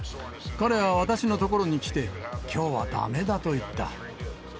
彼は私の所に来て、きょうはだめだと言った。